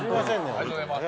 ありがとうございます。